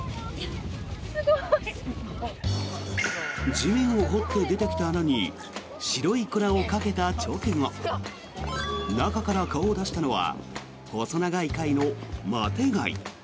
地面を掘って出てきた穴に白い粉をかけた直後中から顔を出したのは細長い貝のマテガイ。